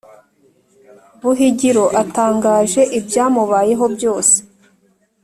Buhigiro atangaje ibyamubayeho byose